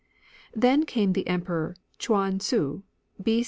Then came the Emperor Chuan Hsii, B.